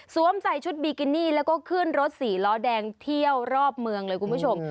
ใส่ชุดบิกินี่แล้วก็ขึ้นรถสี่ล้อแดงเที่ยวรอบเมืองเลยคุณผู้ชม